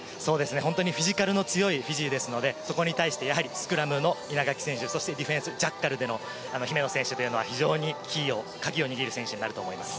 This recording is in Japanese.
本当にフィジカルの強いフィジーですので、そこに対してやはりスクラムの稲垣選手、そしてディフェンス、ジャッカルでの姫野選手というのは、非常にキーを、鍵を握る選手になると思います。